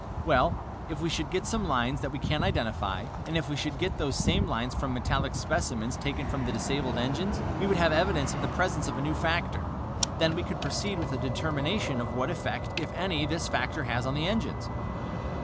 "If we should get some lines that we can't identify, and if we should get those same lines from metallic specimens taken from the disabled engines, we would have evidence of the presence of a new factor. Then we could proceed with a determination of what effect, if any, this factor has on the engines."